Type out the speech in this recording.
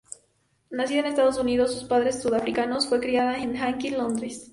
Nacida en los Estados Unidos de padres sudafricanos, fue criada en Hackney, Londres.